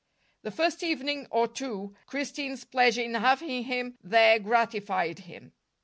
The first evening or two Christine's pleasure in having him there gratified him.